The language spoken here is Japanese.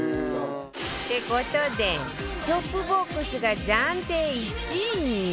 って事でチョップボックスが暫定１位に